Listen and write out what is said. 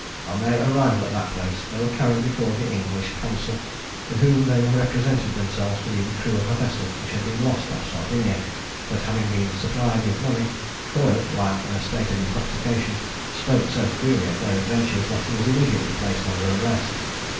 On their arrival at that place, they were carried before the English consul, to whom they represented themselves to be the crew of a vessel which had been lost off Sardinia, but having been supplied with money, Coyle, while in a state of intoxication, spoke so freely of their adventures, that he was immediately placed under arrest.